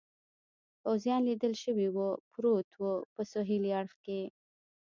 پوځیان لیدل شوي و، پروت و، په سهېلي اړخ کې.